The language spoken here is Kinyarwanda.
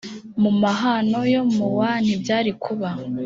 mu mahano yo mu wa ntibyari kuba